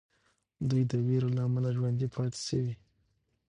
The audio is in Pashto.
دوی د ویرې له امله ژوندي پاتې سوي.